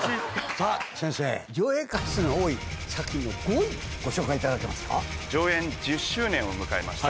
さぁ先生上演回数が多い作品の５位ご紹介いただけますか？